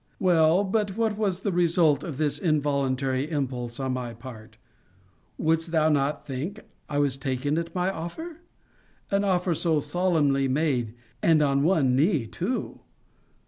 Well, but what was the result of this involuntary impulse on my part? Wouldst thou not think; I was taken at my offer? An offer so solemnly made, and on one knee too?